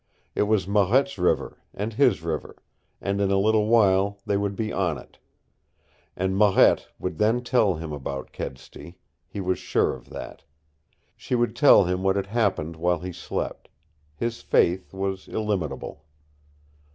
It was Marette's river and his river, and in a little while they would be on it. And Marette would then tell him about Kedsty. He was sure of that. She would tell him what had happened while he slept. His faith was illimitable.